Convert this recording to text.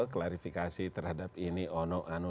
klarifikasi terhadap ini ono